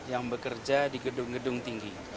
yang bekerja di gedung gedung tinggi